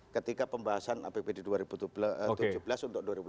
ketika pembahasan apb di dua ribu tujuh belas untuk dua ribu delapan belas